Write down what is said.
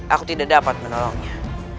aku tidak dapat menolongnya